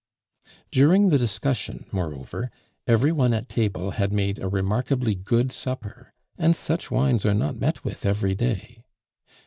During the discussion, moreover, every one at table had made a remarkably good supper, and such wines are not met with every day.